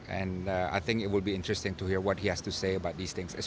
dan saya pikir akan menarik untuk mendengar apa yang dia harus katakan tentang hal ini